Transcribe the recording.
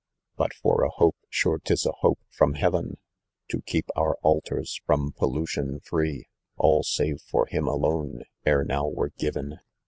" But for a hope, sure 'tis a hope from heaven ! To keep our altars from pollution free, All, save for him alone, ere now were given.